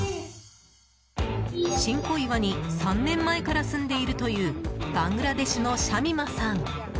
新小岩に３年前から住んでいるというバングラデシュのシャミマさん。